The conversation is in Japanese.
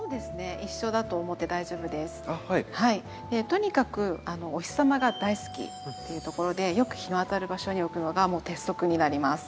とにかくお日様が大好きっていうところでよく日の当たる場所に置くのがもう鉄則になります。